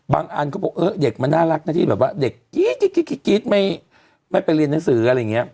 อันเขาบอกเออเด็กมันน่ารักนะที่แบบว่าเด็กกรี๊ดไม่ไปเรียนหนังสืออะไรอย่างนี้